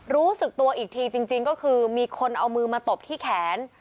รู้สึกตัวอีกทีจริงก็คือมีคนเอามือมาตบที่แขน